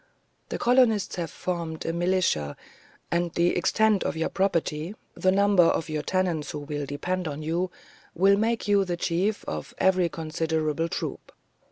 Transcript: The colonists have formed a militia, and the extent of your property, the number of your tenants who will depend on you, will make you the chief of a very considerable troop.